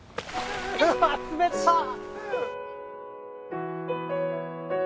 うわっ冷たっ！